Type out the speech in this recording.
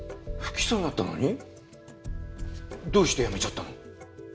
不起訴になったのにどうして辞めちゃったの？